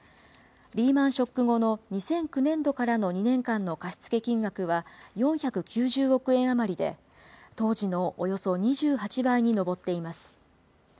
リーマンショック後の２００９年度からの２年間の貸し付け金額は、４９０億円余りで、当時のおよそ２８倍に上っています。